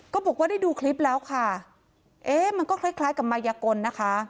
ก็บอกว่าได้ดูคลิปแล้วค่ะเอ๊ะมันก็คล้ายคล้ายกับมายกลนะคะ